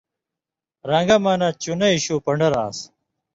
رن٘گہ مہ نہ چُنَیں شُوۡ پن٘ڈروۡ آن٘س